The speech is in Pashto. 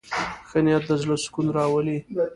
ښه نیت د زړه سکون راولي.